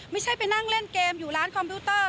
ไม่ใช่ไปนั่งเล่นเกมอยู่ร้านคอมพิวเตอร์